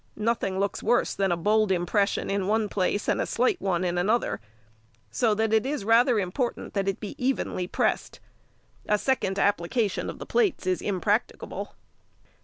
Nothing looks worse than a bold impression in one place and a slight one in another, so that it is rather important that it be evenly pressed; a second application of the plates is impracticable.